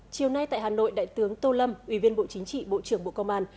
chiều nay tại hà nội đại tướng tô lâm ủy viên bộ chính trị bộ trưởng bộ công an